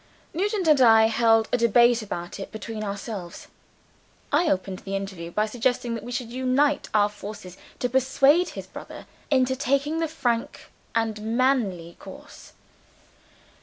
Nugent and I held a debate about it between ourselves. I opened the interview by suggesting that we should unite our forces to persuade his brother into taking the frank and manly course.